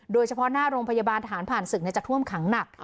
โดยเฉพาะหน้าโรงพยาบาลทหารผ่านศึกจะท่วมขังหนัก